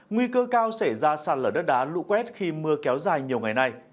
nguy cơ cao sẽ ra sàn lở đất đá lụ quét khi mưa kéo dài nhiều ngày nay